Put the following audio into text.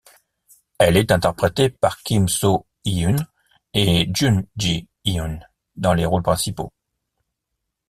Elle est interprétée par Kim Soo-hyun et Jun Ji-hyun dans les rôles principaux.